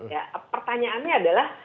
ya pertanyaannya adalah